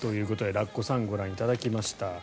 ラッコさんをご覧いただきました。